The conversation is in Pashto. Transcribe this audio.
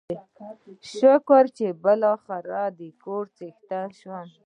شکر چې بلاخره دکور څښتن شوم.